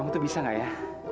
kamu tuh bisa nggak ya